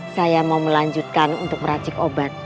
saya mau melanjutkan untuk meracik obat